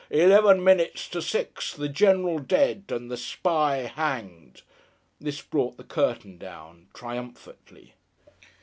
Eleven minutes to six! The General dead! and the spy hanged!' This brought the curtain down, triumphantly.